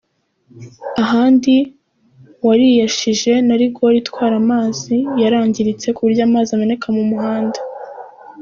Ahandi wariyashije na rigore itwara amazi yarangiritse kuburyo amazi ameneka mu muhanda.